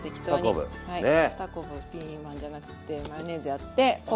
はい２こぶピーマンじゃなくてマヨネーズやってポン酢。